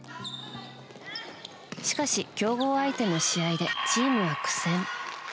しかし、強豪相手の試合でチームは苦戦。